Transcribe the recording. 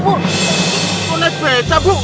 bu naik beca bu